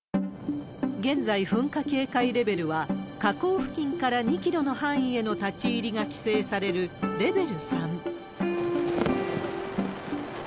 現在、噴火警戒レベルは火口付近から２キロの範囲への立ち入りが規制されるレベル３。